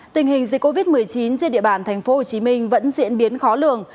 tình hình dịch covid một mươi chín trên địa bàn thành phố hồ chí minh vẫn diễn biến khó lường